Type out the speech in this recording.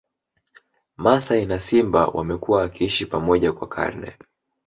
Masai na Simba wamekuwa wakiishi pamoja kwa karne